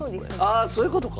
あそういうことか。